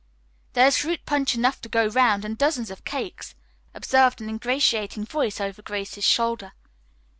"There is fruit punch enough to go round, and dozens of cakes," observed an ingratiating voice over Grace's shoulder.